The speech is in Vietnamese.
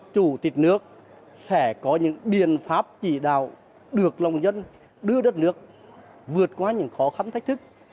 chủ tịch nước sẽ có những biện pháp chỉ đạo được lòng dân đưa đất nước vượt qua những khó khăn thách thức